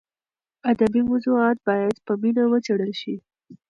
ادبي موضوعات باید په مینه وڅېړل شي.